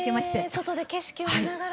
外で景色を見ながら。